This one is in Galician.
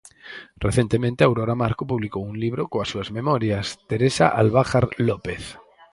Recentemente Aurora Marco publicou un libro coas súas memorias, Teresa Alvajar López.